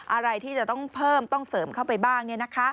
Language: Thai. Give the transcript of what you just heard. อะไรที่จะต้องเพิ่มต้องเสริมเข้าไปบ้าง